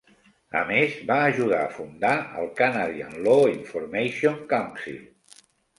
A més, va ajudar a fundar el Canadian Law Information Council.